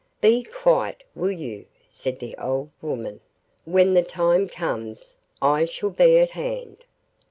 'Be quiet, will you,' said the old woman; 'when the time comes I shall be at hand.